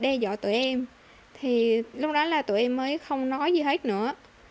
đe dọa tụi em thì lúc đó là tụi em mới không nói gì hết nữa